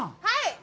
はい！